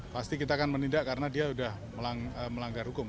pasti kita akan menindak karena dia sudah melanggar hukum